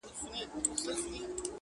او یا منفی نظر ورکړي -